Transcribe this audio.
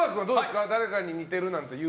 有名人、誰かに似てるなんて。